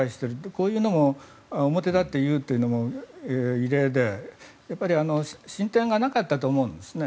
こういうのも表立って言うのも異例で進展がなかったと思うんですね。